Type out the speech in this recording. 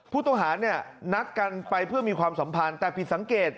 ผู้ต้องหาเนี่ยนัดกันไปเพื่อมีความสัมพันธ์แต่ผิดสังเกต